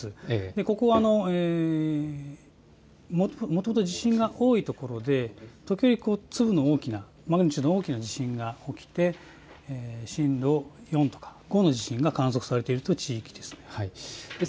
ここはもともと地震が多いところで時折、マグニチュードの大きな地震が起きて震度４とか５の地震が観測されている地域です。